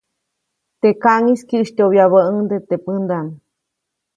Teʼ kaʼŋis kyäʼsytyoʼbyabäʼuŋ teʼ pädaʼm.